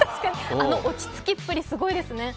あの落ち着きっぷり、すごいですね。